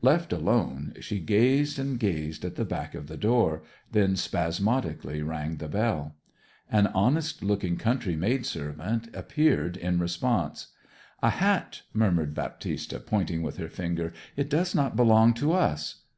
Left alone she gazed and gazed at the back of the door, then spasmodically rang the bell. An honest looking country maid servant appeared in response. 'A hat!' murmured Baptista, pointing with her finger. 'It does not belong to us.'